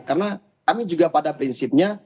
karena kami juga pada prinsipnya